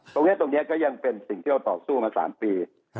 ตรงนี้ตรงนี้ก็ยังเป็นสิ่งที่เราต่อสู้มา๓ปี